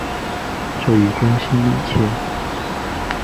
道氏攀鼠属等之数种哺乳动物。